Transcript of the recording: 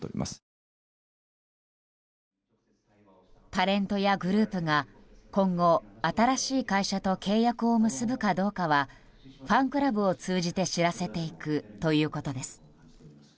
タレントやグループが、今後新しい会社と契約を結ぶかどうかはファンクラブを通じて知らせていくということです。